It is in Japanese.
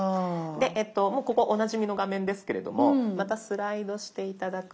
もうここおなじみの画面ですけれどもまたスライドして頂くと。